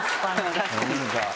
確かに。